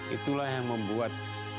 itulah yang membuat